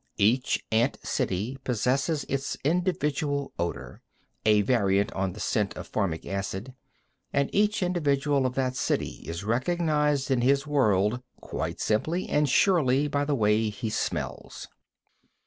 Each ant city possesses its individual odor a variant on the scent of formic acid and each individual of that city is recognized in his world quite simply and surely by the way he smells.